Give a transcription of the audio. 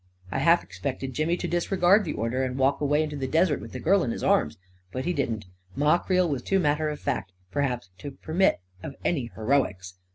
I half expected Jimmy to disregard the order, and walk away into the desert with the girl in his arms. But he didn't. Ma Creel was too matter of fact, perhaps, to permit of any heroics.